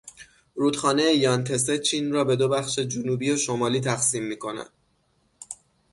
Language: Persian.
رود خانهٔ یان تسه چین را به دو بخش جنوبی و شمالی تقسیم میکند.